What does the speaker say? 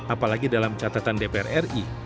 apalagi dalam catatan dpr ri